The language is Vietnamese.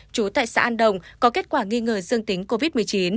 trú tại xã an đồng có kết quả nghi ngờ dương tính covid một mươi chín